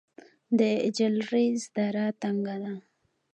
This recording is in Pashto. د جلریز دره تنګه ده